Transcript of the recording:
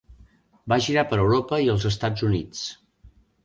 Va girar per Europa i els Estats Units.